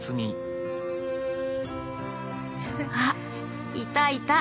あいたいた。